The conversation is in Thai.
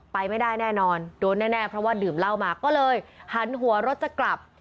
ไปไม่ได้แน่นอนโดนแน่เพราะว่าดื่มเหล้ามาก็เลยหันหัวรถจะกลับ